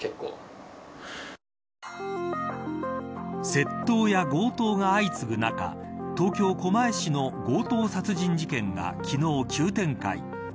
窃盗や強盗が相次ぐ中東京、狛江市の強盗殺人事件が昨日、急展開。